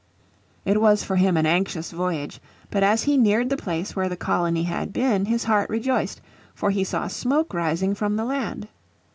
It was for him an anxious voyage, but as he neared the place where the colony had been, his heart rejoiced, for he saw smoke rising from the land.